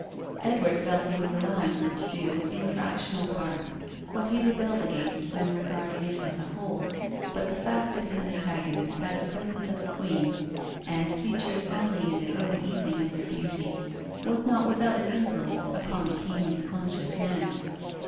Edward felt he was allowing her to do, in fractional parts, what he rebelled against when regarding it as a whole; but the fact that his antagonist had the presence of a queen, and features only in the early evening of their beauty, was not without its influence upon a keenly conscious man.